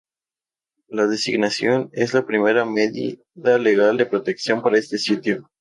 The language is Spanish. La designación es la primera medida legal de protección para este sitio.